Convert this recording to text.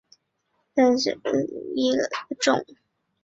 滇西绿绒蒿为罂粟科绿绒蒿属下的一个种。